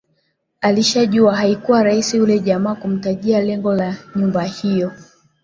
Alishajua haikuwa rahisi yule jamaa kumtajia lengo la nyumba hio